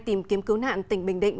tìm kiếm cứu nạn tỉnh bình định